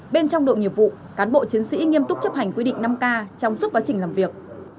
bên trong đội nghiệp vụ cán bộ chiến sĩ nghiêm túc chấp hành quy định năm k trong suốt quá trình làm việc